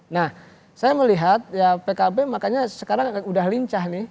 nah saya melihat ya pkb makanya sekarang udah lincah nih